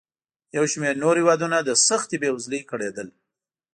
یو شمېر نور هېوادونه له سختې بېوزلۍ کړېدل.